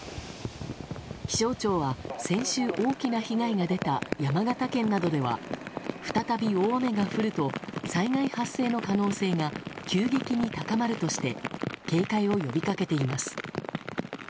気象庁は先週、大きな被害が出た山形県などでは再び大雨が降ると災害発生の可能性が急激に高まるとして警戒を呼びかけています。